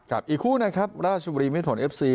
ครับอีกคู่นะครับราชบุรีมิดสนเอฟซี